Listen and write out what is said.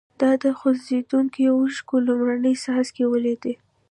د را خوځېدونکو اوښکو لومړني څاڅکي ولیدل.